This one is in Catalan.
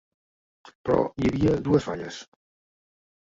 Però hi havia dues falles